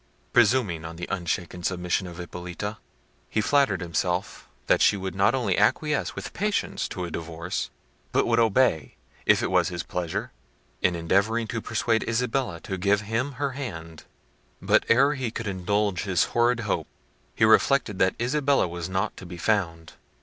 Presuming on the unshaken submission of Hippolita, he flattered himself that she would not only acquiesce with patience to a divorce, but would obey, if it was his pleasure, in endeavouring to persuade Isabella to give him her hand—but ere he could indulge his horrid hope, he reflected that Isabella was not to be found.